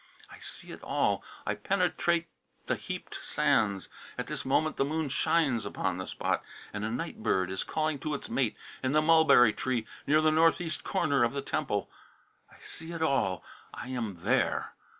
I see it all; I penetrate the heaped sands. At this moment the moon shines upon the spot, and a night bird is calling to its mate in the mulberry tree near the northeast corner of the temple. I see it all. I am there!